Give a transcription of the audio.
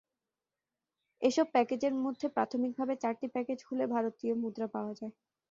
এসব প্যাকেজের মধ্যে প্রাথমিকভাবে চারটি প্যাকেজ খুলে ভারতীয় মুদ্রা পাওয়া যায়।